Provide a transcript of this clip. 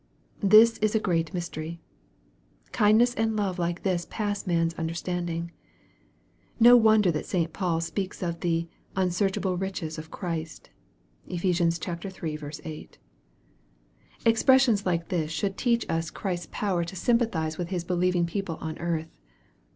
This is a great mystery. Kindness and love like this pass man's under standing. No wonder that St. Paul speaks of the " un searchable riches of Christ." (Ephes. iii. 8.) Expressions like this should teach us Christ's powei 232 EXPOSITORY THOUGHTS. to syn pathize with His believing people on earth.